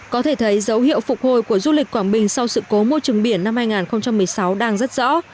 có thể thấy dấu hiệu phục hồi của du lịch quảng bình sau sự cố môi trường biển năm hai nghìn một mươi sáu đang rất rõ